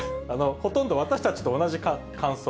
ほとんど私たちと同じ感想。